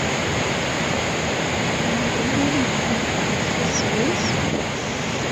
And do you know what she says?